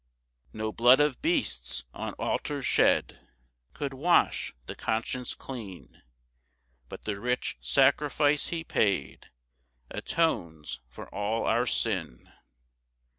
7 No blood of beasts on altars shed Could wash the conscience clean, But the rich sacrifice he paid Atones for all our sin.